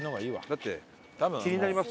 だって気になりますよ。